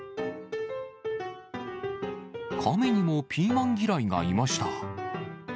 カメにもピーマン嫌いがいました。